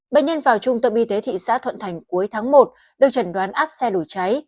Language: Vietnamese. bệnh nhân vào trung tâm y tế thị xã thuận thành cuối tháng một được chẩn đoán áp xe đổi cháy